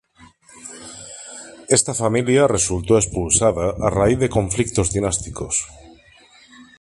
Esta familia resultó expulsada a raíz de conflictos dinásticos.